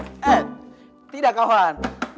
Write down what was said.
eh tidak kawan